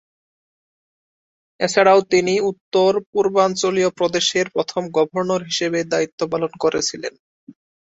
এছাড়াও তিনি উত্তর-পূর্বাঞ্চলীয় প্রদেশের প্রথম গভর্নর হিসেবে দায়িত্ব পালন করেছিলেন।